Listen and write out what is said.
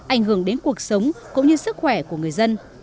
ảnh hưởng đến cuộc sống cũng như sức khỏe của người dân